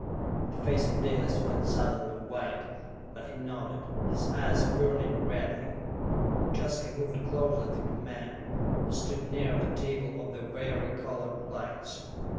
The face of Dalis went suddenly white, but he nodded, his eyes burning redly. Jaska moved closer to the men, who stood near the table of the vari colored lights.